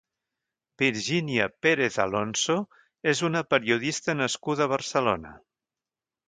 Virginia Pérez Alonso és una periodista nascuda a Barcelona.